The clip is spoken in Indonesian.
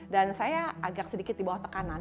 dan saya agak sedikit di bawah tekanan